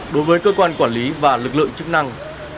đối với cơ quan quản lý và lực lượng chức năng